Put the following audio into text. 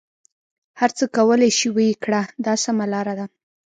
هر څه کولای شې ویې کړه دا سمه لاره ده.